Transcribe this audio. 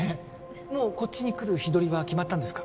もうこっちに来る日取りは決まったんですか？